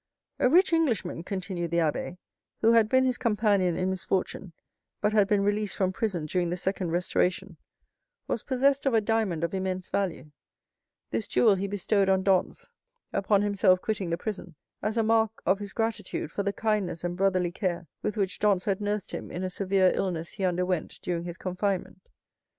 "A rich Englishman," continued the abbé, "who had been his companion in misfortune, but had been released from prison during the second restoration, was possessed of a diamond of immense value; this jewel he bestowed on Dantès upon himself quitting the prison, as a mark of his gratitude for the kindness and brotherly care with which Dantès had nursed him in a severe illness he underwent during his confinement.